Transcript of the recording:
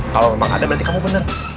kalau memang ada berarti kamu benar